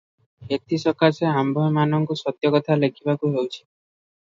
ଏଥିସକାଶେ ଆମ୍ଭେମାନଙ୍କୁ ସତ୍ୟକଥା ଲେଖିବାକୁ ହେଉଛି ।